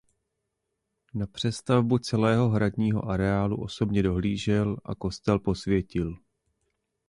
Na přestavbu celého hradního areálu osobně dohlížel a kostel posvětil.